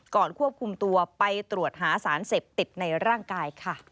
ควบคุมตัวไปตรวจหาสารเสพติดในร่างกายค่ะ